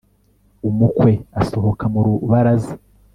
umukwe asohoka mu rubaraza